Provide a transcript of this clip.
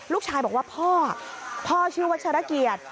ลูกชายบอกว่าพ่อพ่อชื่อวัชรเกียรติ